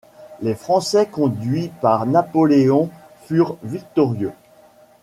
Les Français conduits par Napoléon furent victorieux.